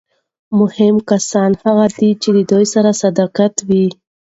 مهم کسان هغه دي چې درسره صادق وي.